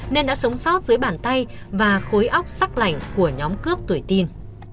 nên đã sống sót dưới bàn tay và khối óc sắc lạnh của nhóm cướp tuổi tin